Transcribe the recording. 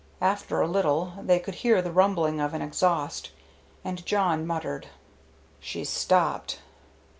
After a little they could hear the rumbling of an exhaust, and Jawn muttered, "She's stopped."